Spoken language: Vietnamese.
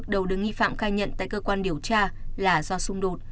đứng nghi phạm cai nhận tại cơ quan điều tra là do xung đột